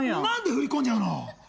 何で振り込んじゃうの！